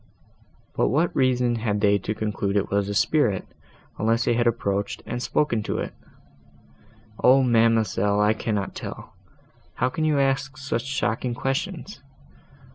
"But what reason had they to conclude it was a spirit, unless they had approached, and spoken to it?" "O ma'amselle, I cannot tell. How can you ask such shocking questions?